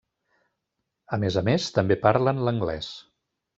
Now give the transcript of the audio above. A més a més també parlen l'anglès.